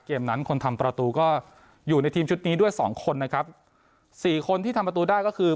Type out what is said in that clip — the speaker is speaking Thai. เกมนั้นคนทำประตูก็อยู่ในทีมชุดนี้ด้วยสองคนนะครับสี่คนที่ทำประตูได้ก็คือ